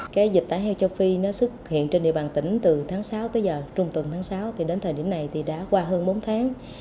cái dịch tả heo châu phi nó xuất hiện trên địa bàn tỉnh từ tháng sáu tới giờ trung tuần tháng sáu thì đến thời điểm này thì đã qua hơn bốn tháng